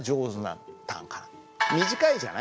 短いじゃない？